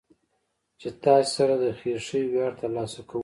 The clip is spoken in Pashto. چې تاسې سره د خېښۍ وياړ ترلاسه کو.